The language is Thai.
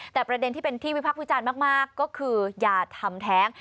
แต่ประเด็นที่เป็นที่วิพักษ์วิจารณ์มากก็คืออย่าทำแท้ง